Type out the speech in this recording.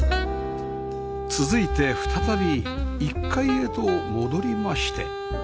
続いて再び１階へと戻りまして